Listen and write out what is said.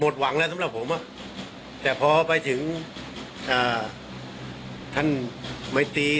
ท่านเมตตี